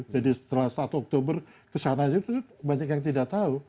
jadi setelah satu oktober kesana itu banyak yang tidak tahu